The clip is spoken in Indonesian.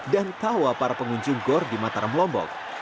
dan tawa para pengunjung gor di mataram lombok